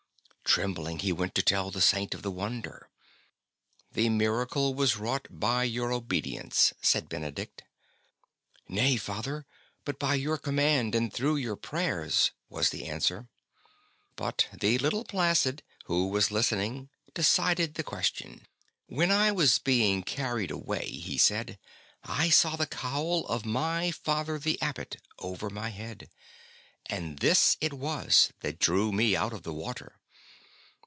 Trembling he went to tell the Saint of the wonder. '' The miracle was wrought by your obedience," said Benedict. '* Nay, Father, but by your command and through your prayers," was the answer. But the little Placid, who was listening, decided the question. '' When I was being carried away," he said, I saw the cowl of my Father the Abbot over my head, and this it was that drew me out of the water."